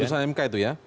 utusan mk itu ya